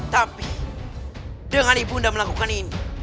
tapi dengan ibu anda melakukan ini